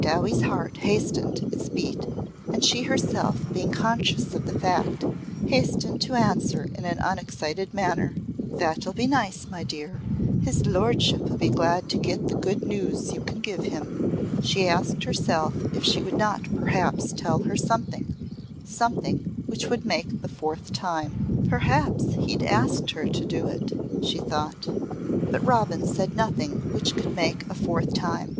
Dowie's heart hastened its beat and she herself being conscious of the fact, hastened to answer in an unexcited manner. "That'll be nice, my dear. His lordship'll be glad to get the good news you can give him." She asked herself if she would not perhaps tell her something something which would make the fourth time. "Perhaps he's asked her to do it," she thought. But Robin said nothing which could make a fourth time.